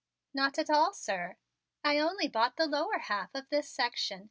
"Not at all, sir; I only bought the lower half of this section.